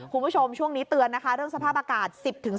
คุณผู้ชมช่วงนี้เตือนนะคะเรื่องสภาพอากาศ๑๐๓